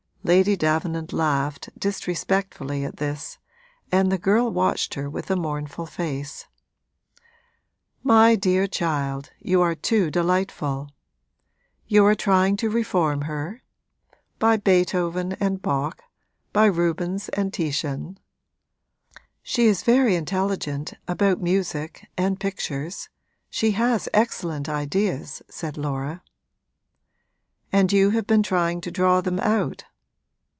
Lady Davenant laughed, disrespectfully, at this, and the girl watched her with a mournful face. 'My dear child, you are too delightful! You are trying to reform her? by Beethoven and Bach, by Rubens and Titian?' 'She is very intelligent, about music and pictures she has excellent ideas,' said Laura. 'And you have been trying to draw them out?